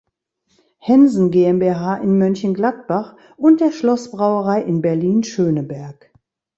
Hensen GmbH in Mönchengladbach und der Schlossbrauerei in Berlin-Schöneberg.